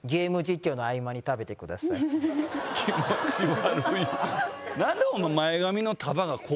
気持ち悪い！